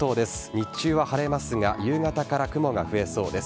日中は晴れますが夕方から雲が増えそうです。